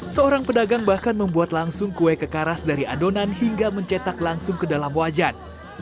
seorang pedagang bahkan membuat langsung kue kekaras dari adonan hingga mencetak langsung ke dalam wajan